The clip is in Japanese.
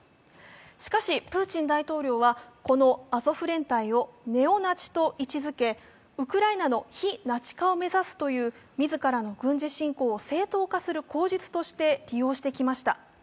しかし、プーチン大統領はこのアゾフ連隊をネオナチと位置づけウクライナの非ナチ化を目指すという自らの軍事侵攻を正当化する口実として利用してきました。